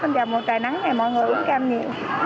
vào một trại nắng này mọi người uống cam nhiều